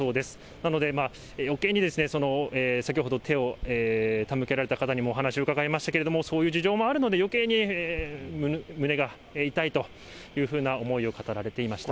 なので、よけいに、先ほど手を手向けられた方にもお話伺いましたけれども、そういう事情もあるので、よけいに胸が痛いというふうな思いを語られていました。